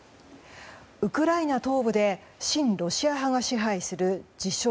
ウクライナ東部で親ロシア派が支配する自称